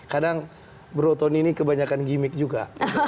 kadang broton ini kebanyakan gimmick juga